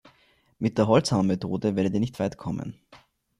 Mit der Holzhammermethode werdet ihr nicht weit kommen.